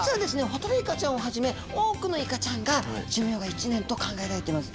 ホタルイカちゃんをはじめ多くのイカちゃんが寿命が１年と考えられてます。